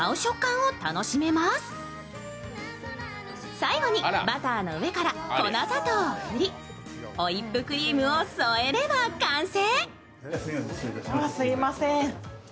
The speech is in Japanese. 最後にバターの上から粉砂糖を振りホイップクリームを添えれば完成。